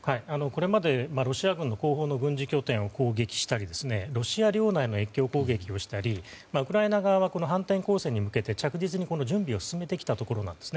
これまでロシア軍の後方の軍事拠点を攻撃したりロシア領内の越境攻撃をしたりウクライナ側は反転攻勢に向けて着実に準備を進めてきたところなんです。